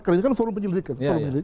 karena ini kan forum penyelidikan